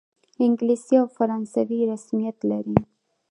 انګلیسي او فرانسوي رسمیت لري.